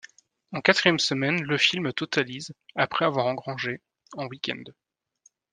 En quatrième semaine, le film totalise après avoir engrangé en week-end.